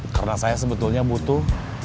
karena saya sebetulnya butuh